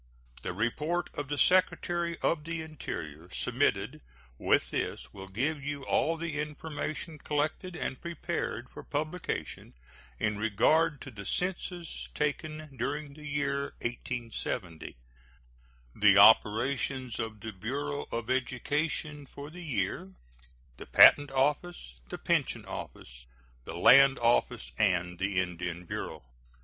The report of the Secretary of the Interior submitted with this will give you all the information collected and prepared for publication in regard to the census taken during the year 1870; the operations of the Bureau of Education for the year; the Patent Office; the Pension Office; the Land Office, and the Indian Bureau.